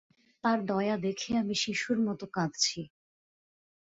তাঁর দয়া দেখে আমি শিশুর মত কাঁদছি।